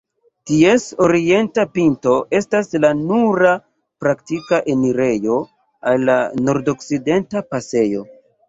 Ties orienta pinto estas la nura praktika enirejo al la Nordokcidenta pasejo.